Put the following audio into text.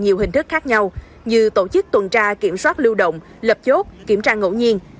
nhiều hình thức khác nhau như tổ chức tuần tra kiểm soát lưu động lập chốt kiểm tra ngẫu nhiên